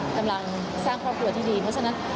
กำลังสร้างครอบครัวที่ดีเพราะฉะนั้น